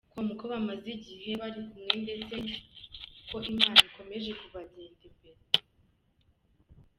com ko bamaze igihe bari kumwe ndetse ko Imana ikomeje kubagenda imbere.